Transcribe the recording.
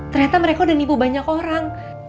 ternyata mereka udah nipu banyak orang